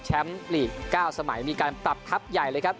ลีก๙สมัยมีการปรับทัพใหญ่เลยครับ